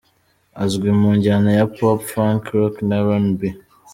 Azwi mu njyana ya Pop, Funk, Rock na R&B .